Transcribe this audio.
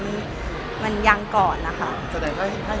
แสดงถ้าเห็นออกมาอะไรออกมาก็คือยังเป็นเพื่อนยังไม่ได้มีสถานะ